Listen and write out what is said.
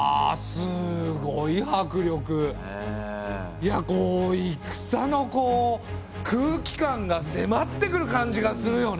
いやこう戦の空気感がせまってくる感じがするよね！